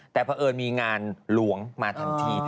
แต่เผอิญมีงานหลวงมาทั้งที